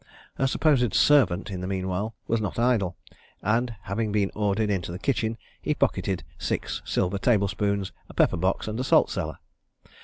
Her supposed servant, in the mean while, was not idle, and having been ordered into the kitchen, he pocketed six silver table spoons, a pepper box, and a salt cellar.